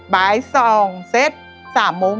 บ่าย๒เซต๓โมง